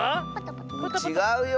ちがうよ！